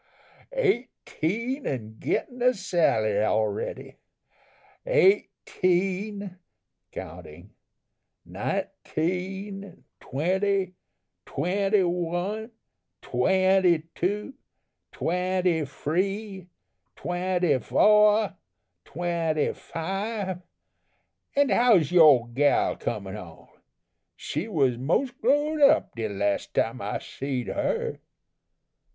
Eighteen and gettin' a salary already! eighteen (counting), nineteen, twenty, twenty one, twenty two, twenty free, twenty foah, twenty five, and how's yore gal comin' on? She was mos' growed up de las' time I seed her."